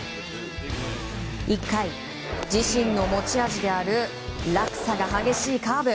１回、自身の持ち味である落差が激しいカーブ。